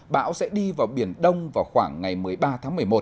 bão sẽ đi vào biển đông vào khoảng ngày một mươi ba tháng một mươi một